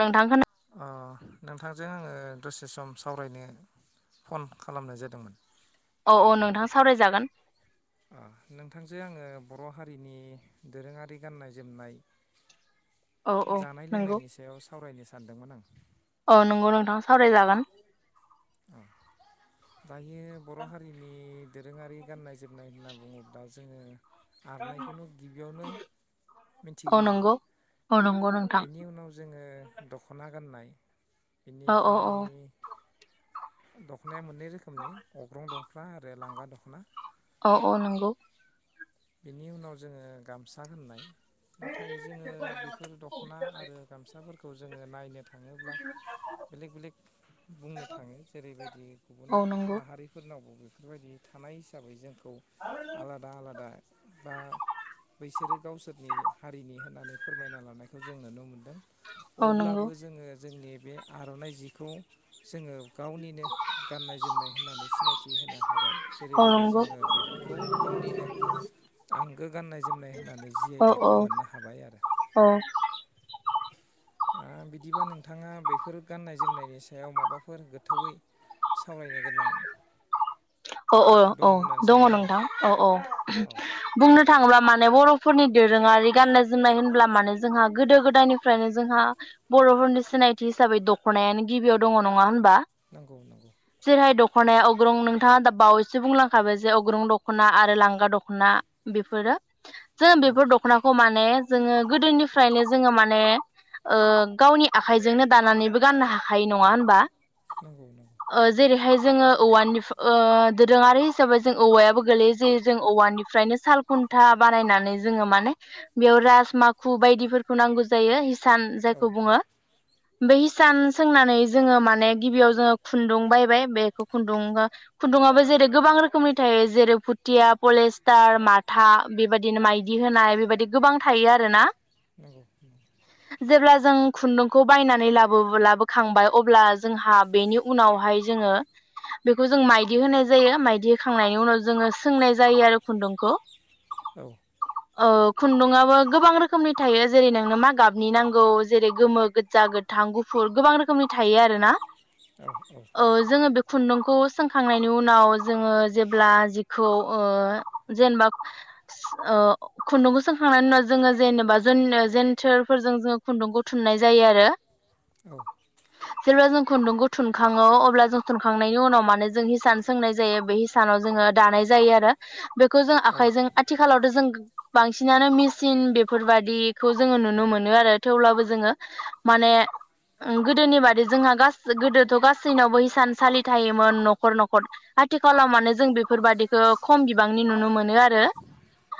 नोंथांखौ अ नोंथांजों आङो दसे सम सावरायनो फन खालामनाय जादोंमोन। औ औ नोंथां सावरायजागोन। नोंथांजोे आङो बर हारिनि दोरोङारि गाननाय जोमनाय औ औ जानाय नंगौ लोंनायनि सायाव सावरायनो सै सानदोंमोन आं औ नंगौ नोंथां सावरायजागोन। औ। दायो बर' हारिनि दोरोङारि गाननाय जोमनाय होनना बुङोब्ला जोङो आरनायखौनो गिबियावनो औ मिथिग्रोयो नंगौ औ नंगौ नोंथां बेनि उनाव जोङो दखना गाननाय। औ औ औ बेनिफ्राय दखनाया मोननै रोखोमनि अग्रं दखना आरो लांगा दखना। औ औ नंगौ। बिनि उनाव जोङो गामसा होननाय। नाथाय जोङो बेफोर दखना आरो गामसाफोरखौ जोङो नायनो थाङोब्ला बेलेक बेलेक बुंनो थाङो जेरैबायदि गुबुन औ नंगौ माहारिफोरनावबो बेफोर बेफोरबायदि थानाय हिसाबै जों बेफोरखौ आलादा आलादा बा बैसोरो गावसोरनि हारिनि होननानै फोरमायना लानायखौ जों नुनो मोनदों। औ नंगौ अब्लाबो जोङो जोंनि बे आरनाइ जिखौ जोङो गावनिनो गाननाय जोमनाय होननानै सिनायथि होनो हाबाय औ जेरैबायदि नंगौ जोङो बेफोरखौ गावनिनो आंगो गाननाय जोमनाय होननानै जि आइ औ औ टेकबो मोननो हाबाय आरो। औ बिदिबा नोंथाङा बेफोर गाननाय जोमनायनि सायाव माबाफोर गोथौयै सावरायनो गोनां औ औ दङ औ होननानै दङ सानो नामा नोंथां औ औ औ बुंनो थाङोब्ला माने बर'फोरनि दोरोङारि गाननाय जोमनाय होनब्ला माने जोंहा गोदो गोदाय गोदायनिफ्रायनो जोंहा बर'फोरनि सिनायथि हिसाबै दखनायानो गिबियाव दङ नङा होनब्ला। नंगौ नंगौ [unintelligible] जेरैहाय दखना दखना अग्रं। नोंथाङा दा बावैसो बुंलांखाबाय जे अग्रं दखना आरो लांगा दखना बेफोरो। जों औ बेफोर दखनाखौ माने। जोङो गोदोनिफ्रायनो जोङो माने गावनि आखाइजोंनो दानानैबो गाननो हाखायो नङा होनबा। नंगौ नंगौ। ओ जेरैहाय जोङो औवानिफ्राय दोरोङारि हिसाबै जों औवायाबो गोलैयो जे जों औवानिफ्रायनो साल खुन्था बानायनानै जोङो माने बेयाव रासो माखु बायदिफोरखौ नांगौ जायो। इसान औ जायखौ औ बुङो। बे इसान सोंनानै जोङो माने गिबियाव जोङो खुन्दुं बायबाय बेखौ खुन्दुं खुन्दुङाबो जेरै गोबां रोखोमनि थायो जेरै फुथिया पलेस्टार माथा बेबायदिनो माइदि होनाय बेबायदि गोबां थायो आरो ना। नंगौ। जेब्ला जों खुन्दुंखौ बायनानै लाबो लाबोखांबाय अब्ला जोंहा बेनि उनावहाय जोङो बेखौ जों माइदि माइदि होनाय जायो माइदि होखांनायनि उनाव जोङो सोंनाय जायो आरो खुन्दुंखौ औ। खुन्दुंआबो गोबां रोखोमनि थायो जेरै नोंनो मा गाबनि नांगौ जेरै गोमो गोजा गोथां गुफुर गोबां रोखोमनि थायो आरो ना। औ औ जोङो बे खुन्दुंखौ सखांनायनि उनाव जोङो जेब्ला जिखौ जेनेबा खुन्दुंखौ सोंखांनायनि उनाव जोङो जेनेबा ज जेनथोरफोरजों जोङो खुन्दुंखौ थुननाय जायो आरो। औ। जेब्ला जों खुन्दुंखौ थुनखाङो अब्ला जों थुनखांनायनि उनाव मानो जों हिसान सोंनाय जायो बे हिसानाव जोङो दानाय जायो आरो बे खौ जों औ आखाइजों आथिखालाव जों बांसिनानो मेसिन बेफोरबायदिखौ जोङो नुनो मोनो आरो थेवब्लाबो जोङो माने गोदोनि बादि जोंहा गासै गोदोथ' गासैनावबो हसानसालि थायोमोन न'खर न'खर न'खर आथिखालाव मानोे जों बेफोरबायदिखौ खम बिबांनि नुनो मोनो आरो।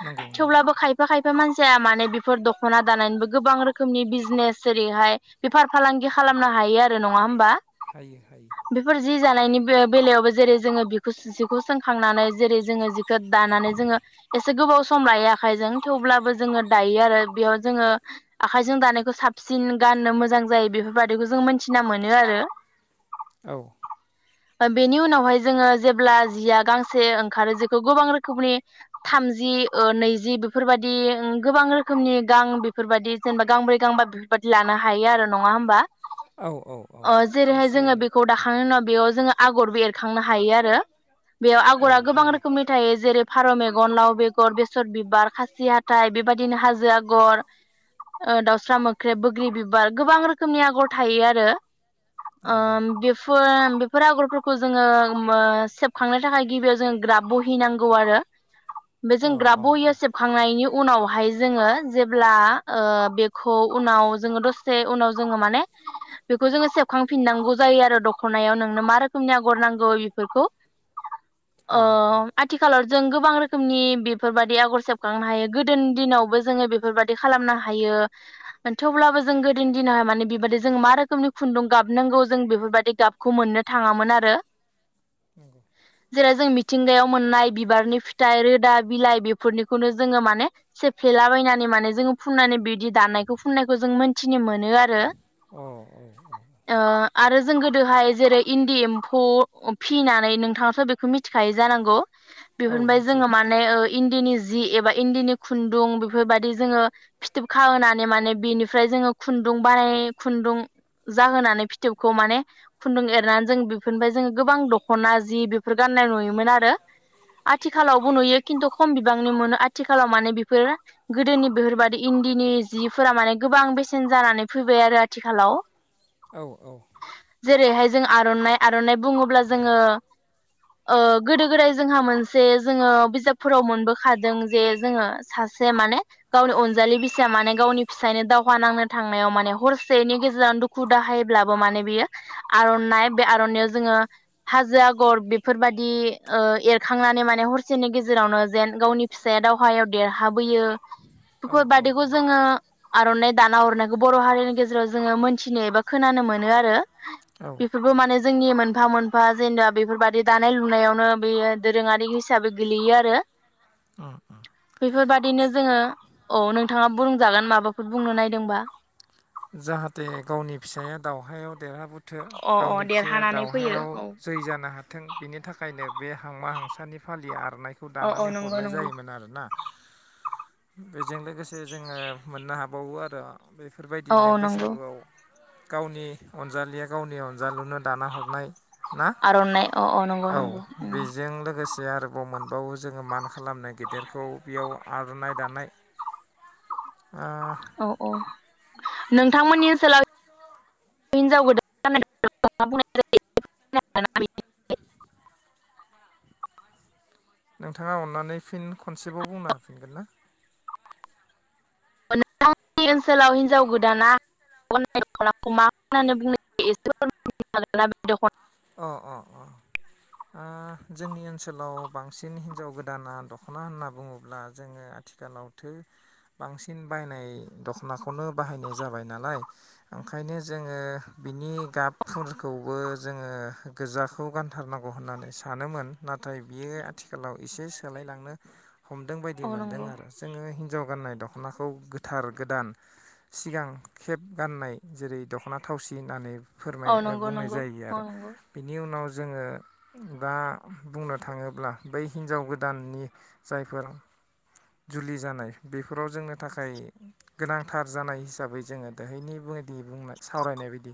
नंगौ नंगौ थेवब्लाबो खायफा खाय मानसिया माने बेफोर दख'ना दानायानानैनिबो गोबां रोखोमनि बिजनेस ओरैहाय बेफार फालांगि खालामनो हायो आरो नङा होमबा? हायो हायो बेफोर जि जानायनि बे बेलायावबो जेरै जोङो बिखौ जिखौ सोंखांनानै जेरै जोङो जिखौ दानानै जोङो एसे गोबाव सम लायो आखाइजों थेवब्लाबो जोङो दायो आरो बेयाव जोङो आखाइजों दानायखौ साबसिन गाननो मोजां जायो बेफोरबायदिखौ जोंथि मिथिना औ। बेनि उनावहाय जोङो जेब्ला जिया गांसे ओंखारो जेखौ गोबां रोखोमनि थामजि नैजि बेफोरबायदि गोबां रोखोमनि गां बेफोरबायदि जेनेबा गांब्रै गांबा बेफोरबायदि लानो हायो आरो नङा होमबा औ औ औ जेरैहाय जोङो खनसेयैनो बेखौ दाखांनायनि उनाव बेयाव जोङो आगरबो एरखांनो हायो आरो। बेयाव औ आगरा गोबां हायो रोखोमनि थायो जेरै फारौ मेगन लाव बेगर बेसर बिबार खासि हााइ बेबायदिनो हाजो आगर दाउस्रा मोख्रेब बग्रि बिबार गोबां रोखोमनि आगर थायो आरो। आ नंगौ बे [unintelligible] फोर आगरफोरखौ जोङो सेबखांनो थाखाय गिबियाव जोङो ग्राब बहिनांगौ आरो। बेजों अ ग्राब अ अ बहियाव सेबखांनायनि उनावहाय जोङो जेब्ला ओ बेखौ उनाव जोङो दसे उनाव जोङो माने बेखौ जोङो सेबखांफिननांगौ जायो आरो दख'नायाव नों मा रोखोमनि आग'र नांगौ इफोरखौ अ हायो हायो आथिखालाव जों गोबां रोखोमनि बेफोरबायदि आग'र सेबखांनो हायो गोदोनि दिनावबो जोङो बेफोरबायदि खालामनो हायो। थेवब्लाबो जों गोदो दिनावहाय माने बेबायदि जों मा रोखोमनि खुन्दुं गाबनांगौ जों बेफोरबायदि गाबखौ मोननो थाङामोन आरो। नंगौ जेरै जों मिथिंगायाव मोननाय बिबारनि फिथाइ रोदा बिलाइ बेफोरनिखौनो जोङो माने सेफ्लेलाबायनानै माने जोङो फुननानै बिबायदि दाननायखौ फुननायखौ जों मोन्थि नि मोनो आरो। अ औ औ ओ आरो जों गोदोहाय जेरै इन्दि एम्फौ फिनानै नोंथाङाथ' बेखौ मिथिखायो जानांगौ। औ बेफोरनिफ्राय मिथियो जोङो माने इन्दिनि जि एबा इन्दिनि खुन्दुं बेफोरबायदि जोङो फिथोब खाहोनानै माने बेनिफ्राय जोङो खुन्दुं बानाय खुन्दुं जाहोनानै फिथोबखौ माने खुुन्दुं जों बेफोरनिफ्राय जोङो गोबां दख'ना जि बेफोर गाननाय नुयोमोन आरो। आथिखालावबो नुयो खिन्थु खम बिबांनि मोनो आथिखालाव माने बेफोर गोदोनि बेफोरबायदि इन्दिनि जिफोरा माने गोबां बेसेन जानानै फैबाय आरो आथिखालाव। औ औ। जेरैहाय जों आर'नाय आर'नाय बुङोब्ला जोङो ओ गोदो गोदाय जोंहा मोनसे जोङो बिजाबफोराव मोनबोखादों जे जोङो सासे माने गावनि अनजालि बिसि माने गावनि फिसायनो दावहा नांनो थांनायाव माने हरसेनि गेजेराव दुखु दाहायब्लाबो माने बियो आर'नाय बे आर'नायाव जोङो हाजो आग'र बेफोरबायदि ओ एरखांनानै माने हरसेनि गेजेरावनो जेन गावनि फिसाया दावहायाव देरहाबोयो औ बेफोर औ बादिखौ जोङो आर'नाय दाना हरनायखौ बर' हारिनि गेजेराव जोङो मोन्थिनो एबा खोनानो मोनो आरो। औ बेफोरबो माने जोंनि मोनफा मोनफा जेनेबा बेफोरबायदि दानाय लुनायावनो बेयो दोरोङारि हिसाबै गोलैयो आरो। उम उम। बेफोरबायदिनो जोङो औ नोंथाङा बुंजागोन माबाफोर बुंनो नायदोंबा। जाहाथे गावनि फिसाया दावउहायाव देरहाबो थो अ अ गावनि फिसाया देरहानानै फैयो दावउहायाव औ जै जानो हाथो बिनि थाखायनो बे हांमा हांसानि फालिया आर'नायखौ औ औ दानानै नंगौ हरनाय नंगौ जायोमोन आरोना। बेजों लोगोसे जोङो मोननो हाबावो आरो बेफोर औ बिदिनो औ नंगौ बैसागुआव गावनि अनजालिया गावनि अनजालुनो दाना हरनाय ना। आर'नाइ औ नंगौ औ नंगौ बेजों लोगोसे जे आरोबाव मोनबावो जोङो मान खालामनो गेदेरखौ बेयाव आर'नाय दानाय ओ औ औ नोंथांमोननि ओनसोलाव हिनजाव गोदान गाननाय दख'नाखौ मा बुंनाय जायो? नोंथाङा अननानै फिन खनसेबाव बुंनो हाफिनगोन ना? नोंथांनि ओनसोलाव हिनजाव गोदाना मा [inaudible] होननानै बुंनाय जायो [inaudible] अ अ ओ जोंनि ओनसोलाव बांसिन हिनजाव गोदाना दख'ना होनना बुङोब्ला जोङो आथिखालावथो बांसिन बायनाय दख'नाखौनो बाहायनाय जाबाय नालाय। ओंखायनो जोङो बिनि गाबफोरखौबो जोङो गोजाखौ गानथारनांगौ होननानै सानोमोन नाथाय बियो आथिखालाव एसे सोलायलांनो हमदों बायदि औ मोन्दों नंगौ आरो जोङो हिनजाव गाननाय दख'नाखौ गोथार गोदान सिगां खेब गाननाय जेरै दख'ना थावसि होननानै फोरमाय औ नंगौ बुंनाय नंगौ जायो आरो औ नंगौ बिनि उनाव जोङो दा बुंनो थाङोब्ला बै हिनजाव गोदाननि जायफोर जुलि जानाय बेफोराव जोमनो थाखाय गोनांथार जानाय हिसाबै जोङो दोहैनि बुङ बि बुंनाय सावरायनाय बायदि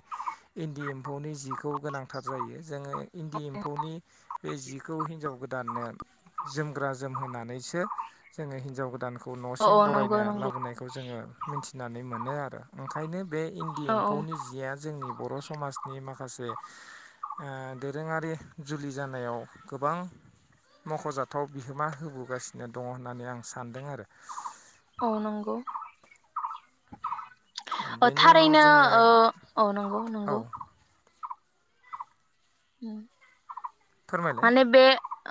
इन्दि एम्फौनि जिखौ गोनांथार जायो जोङो इन्दि एम्फौनि बे जिखौ हिनजाव गोदाननो जोमग्रा जोमहोनानैसो जोङो हिनजाव गोदानखौ औ न'सिम औ नंगौ बरायना नंगौ लाबोनायखौ जोङो मिथिनानै मोनो आरो ओंखायनो बे इन्दि औ एम्फौनि जिया जोंनि बर' समाजनि माखासे ओ दोरोङारि जुलि जानायाव गोबां मख'जाथाव बिहोमा होबोगासिनो दङ होननानै आं सानदों आरो औ नंगौ बेनि उनाव थारैनो जोङो औ‌ ओ नंगौ औ नंगौ ओं फोरमायलाय माने बे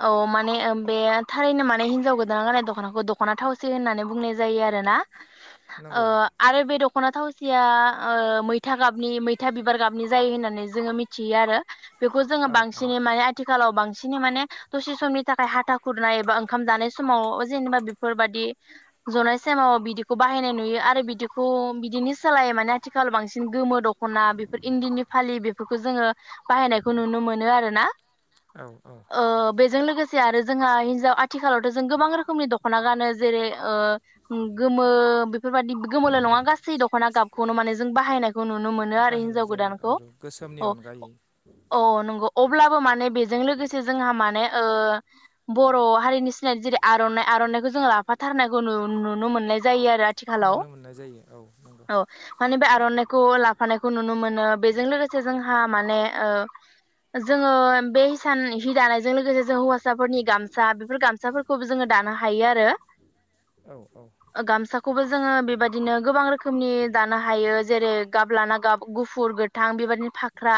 औ माने बे थारैनो माने हिन्जाव गोदाना गाननाय दख'नाखौ दख'ना थावसि होननानै बुंनाय जायो आरो ना ओ नंगौ आरो बे दख'ना थावसिया मैथा गाबनि मैथा बिबार गाबनि जायो होननानै जोङो मिथियो आरो बेखौ जोङो अ अ बांसिनै माने आथिखाल आथिखालाव बांसिन माने दसे समनि थाखाय हाथा खुरनाय एबा ओंखाम जानाय समाव जेनेबा बेफोरबाददि जनाय समाव बिदिखौ बाहायनाय नुयो आरो बिदिखौ बिदिनि सोलायै माने आथिखाल बांसिन गोमो दख'ना बेफोर इन्दिनि फालि बेफोरखौ जोङो बाहायनाय खौ नुनो मोनो आरो ना औ औ जों लोगोसे आरो जोंहा हिनजाव आथिखालावथ' जों गोबां रोखोमनि दख'ना गानो जेरै ओ गोमो बेफोरबायाददि गोमोल' नङा गासै दख'ना गाबखौनो माने जों बाहायनायखौ नुनो मोनो आरो बाहायनाय हिनजाव जायो गोदानखौ आरो गोसोमनि अनगायै नौ अब्लाबो माने बेजों लोगोसे जोंहा माने ओ बर' हारिनि जेरै आर'नाइ आर'नाइखौ जोङो लाफाथारनायखौ नुनो मोननाय जायो आरो आथिखालाव नुनो मोननाय जायो औ नंगौ औ माने बे आरनाखौ लानायखौ नुनो मोनो बेजों लोगोसे जोंहा माने ओ जोङो बे हिसान जि दानाय बे जों लोगोसे जों हौवासाफोरनि गामसा बेफोर गामसाफोरखौबो जोङो दानो हायो आरो औ औ ओ गामसाखौबो जोङो बेबायदिनो गोबां रोखोमनि दानो हायो जेरै गाब लाना गाब गुफुर गोथां बेबादि फाख्रा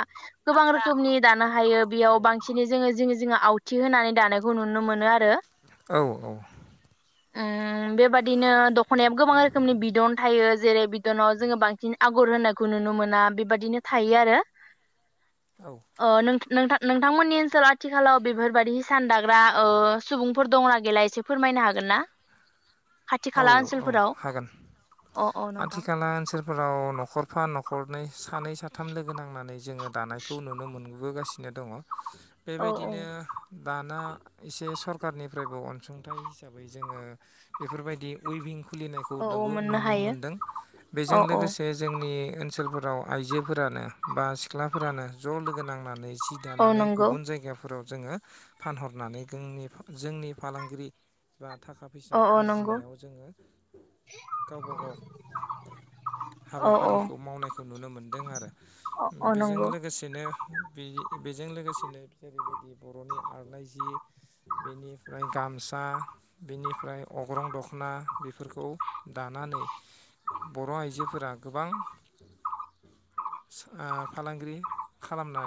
गोबां फाख्रा रोखोम रोखोमनि दानो हायो बेयाव औ बांसिनै जोङो जों जोङो आवथि होनानै दानायखौ नुनो मोनो आरो। औ औ। आं बेबादिनो दख'नायाब गोबां रोखोमनि बिदन थायो जेरै बिदनाव जोङो बांसिन आगर होनायखौ नुनो मोना बेबादिनो थायो आरो। औ अ नों नोंथां नोंथांमोननि ओनसोलाव आथिखालाव बेफोरबादि सान दाग्रा सुबुंफोर दंना गैला एसे फोरमायनो हागोन ना। खाथि औ खाला औ ओनसोलफोराव हागोन अ अ नोंथां आथिखाला ओनसोल फोराव न'खरफा न'खरनै सानै साथाम लोगो नांनानै जोङो दानायखौ नुनो मोनबोगासिनो दङ औ औ बेबायदिनो दाना एसे सरखारारनिफ्रायबो अनसुंथाइ हिसाबै जोङो बेफोरबायदि उयभिं खुलिनायखौ औ औ मोननो नुनो हायो मोनदों बेजों औ औ लोगोसे जोंनि ओनसोलफोर फोराव आइजोफोरानो बा सिख्लाफोरानो ज' लोगो नांनानै सि औ दानानै नंगौ गुबुन जायगा फोराव जोङो फानहरनानै जोंनि जोंनि फालांगिरि बा थाखा फैसा औ औ नंगौ आरजिनायाव जोङो गावबा गाव औ औ हाबाफारिखौ मावनायखौ नुनो मोनदों आरो अ अ बेजों नंगौ लोगोसेनो बेजों लोगोसेनो जेरैबायदि बर'नि आरनाय जि बेनिफ्राय गामसा बेनिफ्राय अग्रं दख'ना बेफोरखौ दानानै बर' आइजोफोरा गोबां फालांगिरि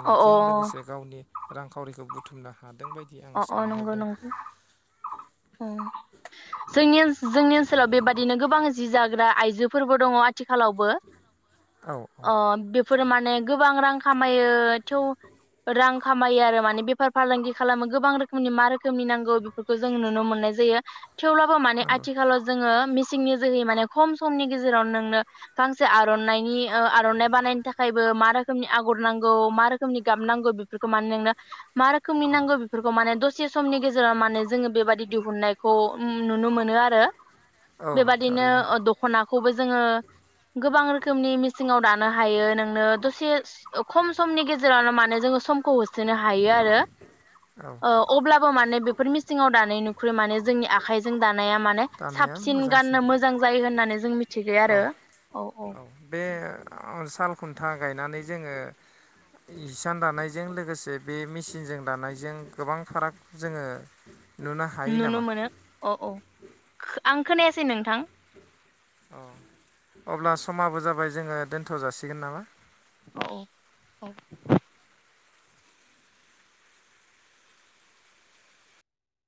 अ अ लोगोसे गावनि रांखावरिखौ बुथुमनो हादों। बायदि आं अ अ नंगौ सानहरदों नंगौ। जोंनि जोंनि ओनसोलाव बेबादिनो गोबां जि जाग्रा आइजोफोरबो दङ। थिखालावबो औ औ अ बेफोरो माने गो गोबां रां खामायो थेव रां खामायो आरो माने बेफार फालांगि खालाम गोबां रोखोमनि मा रोखोमनि नांगौ बेफोरखौ जों नुनो मोननाय जायो। थेवब्लाबो माने नंगौ आथिखालाव जोङो सिंनि जोहै माने खम समनि गेजेरावनो नोंनो गांसे आर'नानि आर'नाइ बानायनो थाखायबो मा रोखोमनि आगर नांगौ मा रोखोमनि गाबनांगौ बेफोरखौ माने नोंनो मा रोखोमनि नांगौ फोरखौ माने दसे समनि गेजेराव माने जोङो बेबादि दिहुननायखौ नुनो मोनो आरो। औ बेबादिनो थारैनो दख'ना खौबो जोङो गोबां रोखोमनि मिसिंआव दानो हायो नोंनो दसे खम समनि गेजेरावनो माने जोङो सम खौ होसोनो हायो आरो। औ ओ अब्लाबो माने बेफोर मिसिङाव दा दानाय नुखो माने जोंनि आखाइजों दा नाया माने दानाया साबसिन मोजांसिन गाननो मोजां जायो होननानै जों मिथियो जे आरो औ औ औ औ बे साल खुन्था गायनानै जोङो हिसान दानायजों लोगोसे बे मेचिनजों दानायजों गोबां फाराग जोङो नुनो हायो नुनो नामा मोनो अ औ आं खोनायासै नोंथां औ अब्ला समाबो जाबाय जोङो दोनथ' जासिगोन नामा औ औ